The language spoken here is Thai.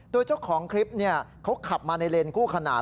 โดยเจ้าของคลิปเขาขับมาในเลนคู่ขนาด